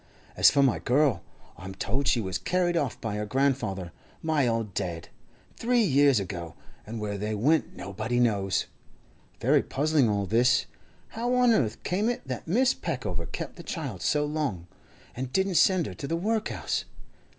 As for my girl, I'm told she was carried off by her grandfather, my old dad, three years ago, and where they went nobody knows. Very puzzling all this. How on earth came it that Mrs. Peckover kept the child so long, and didn't send her to the workhouse?